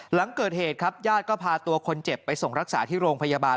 หลังเกิดเหตุครับญาติก็พาตัวคนเจ็บไปส่งรักษาที่โรงพยาบาล